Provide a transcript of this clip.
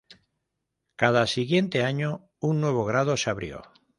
Cada siguiente año un nuevo grado se abrió.